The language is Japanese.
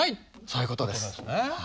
そういうことです。